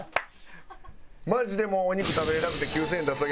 マジでもうお肉食べれなくて９０００円出すだけ。